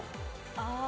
ああ！